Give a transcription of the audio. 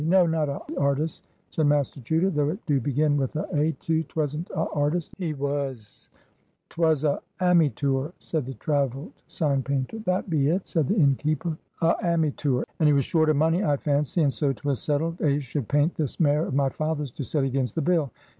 "No, not a artis'," said Master Chuter, "though it do begin with a A, too. 'Twasn't a artis' he was, 'twas a"— "Ammytoor," said the travelled sign painter. "That be it," said the innkeeper. "A ammytoor. And he was short of money, I fancy, and so 'twas settled a should paint this mare of my father's to set against the bill.